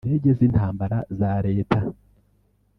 Indege z’intambara za reta